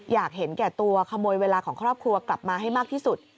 อยากเห็นแก่ตัวขโมยเวลาของครอบครัวกลับมาให้มากที่สุด